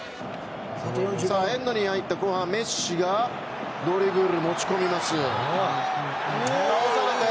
エンドに入った後半メッシがドリブルで持ち込みます。